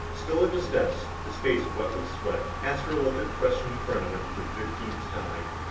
Still at his desk, his face wet with sweat, Astro looked at the question in front of him for the fifteenth time.